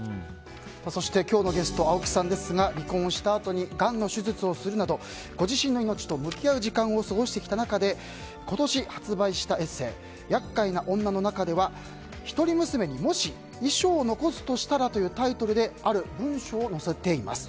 そして今日のゲスト青木さんですが、離婚したあとにがんの手術をするなどご自身の命と向き合う時間を過ごしてきた中で今年発売したエッセー「厄介なオンナ」の中では「ひとり娘にもし遺書を残すとしたら」というタイトルである文章を載せています。